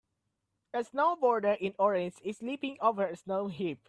A snowboarder in orange is leaping over a snow heap.